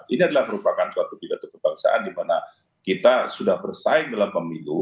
ini adalah merupakan suatu pidato kebangsaan di mana kita sudah bersaing dalam pemilu